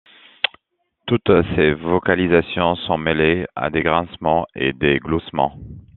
Toutes ces vocalisations sont mêlées à des grincements et des gloussements.